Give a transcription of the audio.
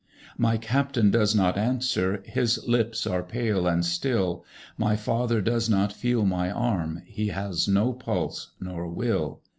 3. My Captain does not answer, his lips are pale and still: My father does not feel my arm, he has no pulse nor will.